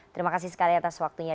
terima kasih sekali atas waktunya